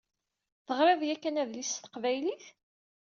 Teɣṛiḍ yakan adlis s teqbaylit?